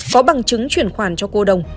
có bằng chứng chuyển khoản cho cô đồng